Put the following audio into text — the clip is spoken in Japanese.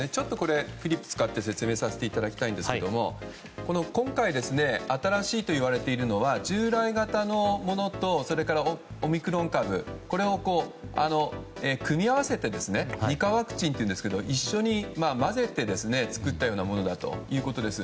フリップを使って説明しますと今回、新しいといわれているのは従来型のものとオミクロン株これを組み合わせて２価ワクチンというんですが一緒に混ぜて作ったようなものだということです。